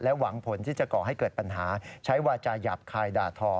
หวังผลที่จะก่อให้เกิดปัญหาใช้วาจาหยาบคายด่าทอ